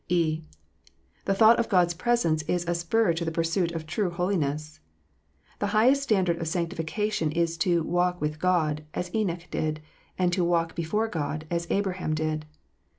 (e) The thought of God s presence is a spur to the pursuit of true holiness. The highest standard of sanctincation is to "walk with God" as Enoch did, and to "walk before God" as Abraham did.